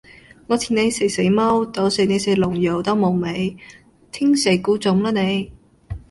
我請你食死貓，到時你食龍肉都無味，聽食穀種啦你